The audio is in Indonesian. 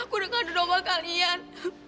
aku dengan fitnah kamu sama nenek